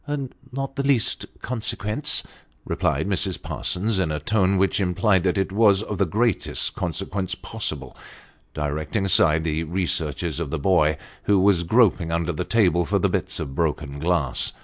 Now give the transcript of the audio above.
" Not the least consequence," replied Mrs. Parsons, in a tone which implied that it was of the greatest consequence possible directing aside the researches of the boy, who was groping under the table for the bits of broken glass.